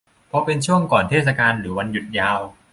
เพราะเป็นช่วงก่อนเทศกาลหรือวันหยุดยาว